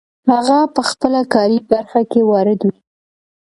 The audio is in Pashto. هغه په خپله کاري برخه کې وارد وي.